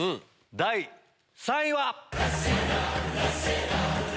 第３位は！